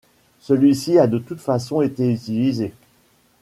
Celui-ci a de toute façon été utilisé.